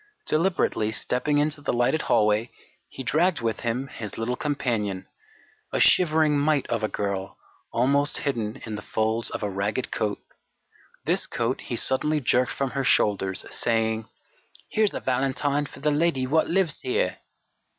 Deliberately stepping into the lighted hallway, he dragged with him his little companion, a shivering mite of a girl, almost hidden in the folds of a ragged coat. This coat he suddenly jerked from her shoulders, saying: "Here's a valentine for the lady wot lives here!"